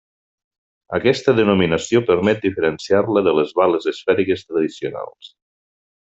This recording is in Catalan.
Aquesta denominació permet diferenciar-la de les bales esfèriques tradicionals.